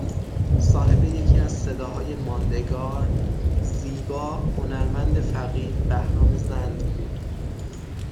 صاحب یکی از صداهای ماندگار زیبا هنرمند فقید بهرام زند بود